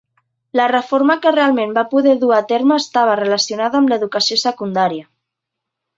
La reforma que realment va poder dur a terme estava relacionada amb l'educació secundària.